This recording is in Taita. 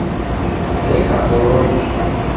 Neka boronyi